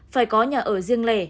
phải có nhà ở riêng lẻ căn hộ